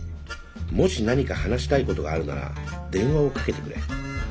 もし何か話したいことがあるなら電話をかけてくれ」。